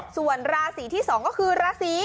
ส่วนราศีที่๒ก็คือราศี